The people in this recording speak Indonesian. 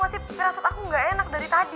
masih ngerasat aku gak enak dari tadi